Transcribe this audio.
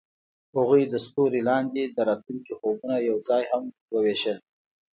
هغوی د ستوري لاندې د راتلونکي خوبونه یوځای هم وویشل.